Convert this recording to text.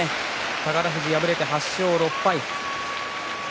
宝富士、敗れて８勝６敗。